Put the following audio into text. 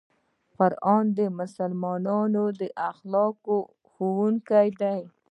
قرآن د مسلمان د اخلاقو ښوونکی دی.